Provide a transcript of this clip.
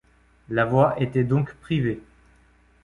La voie était donc privée.